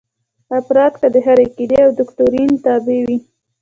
افراد که د هرې عقیدې او دوکتورین تابع وي.